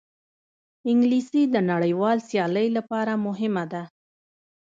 انګلیسي د نړیوال سیالۍ لپاره مهمه ده